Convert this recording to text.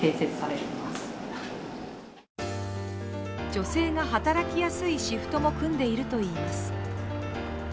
女性が働きやすいシフトも組んでいるといいます。